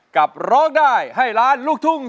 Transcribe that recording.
ร้องได้ให้ล้านลูกทุ่ง